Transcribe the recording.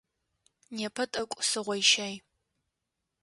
Непэ тӏэкӏу сыгъойщай.